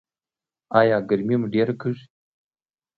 ایا ګرمي مو ډیره کیږي؟